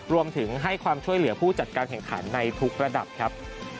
รวมถึงให้ความช่วยเหลือผู้จัดการแข่งขันในทุกระดับครับ